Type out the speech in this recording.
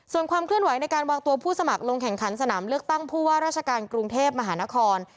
ส่วนความเคลื่อนไหวในการวางตัวผู้สมัครลงแข่งขันสนามเลือกตั้งผู้ว่าราชการกรุงเทพมหานคร